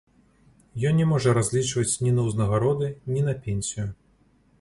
Ён не можа разлічваць ні на ўзнагароды, ні на пенсію.